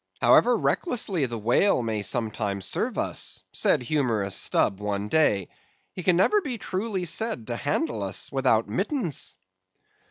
"However recklessly the whale may sometimes serve us," said humorous Stubb one day, "he can never be truly said to handle us without mittens."